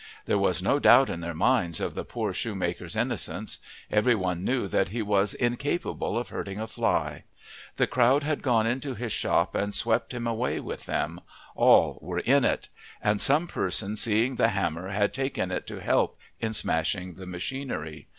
There was no doubt in their minds of the poor shoemaker's innocence. Every one knew that he was incapable of hurting a fly. The crowd had gone into his shop and swept him away with them all were in it; and some person seeing the hammer had taken it to help in smashing the machinery.